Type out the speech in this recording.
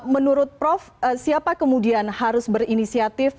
menurut prof siapa kemudian harus berinisiatif